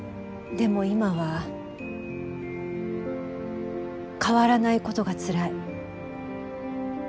でも今は変わらないことがつらい。